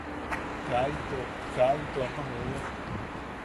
Kaa into ama kaa into ama joowak.